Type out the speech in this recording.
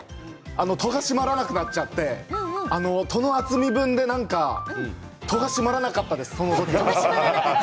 戸が閉まらなくなって戸の厚み分で戸が閉まらなかったです。